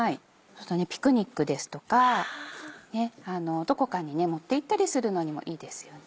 ピクニックですとかどこかに持っていったりするのにもいいですよね。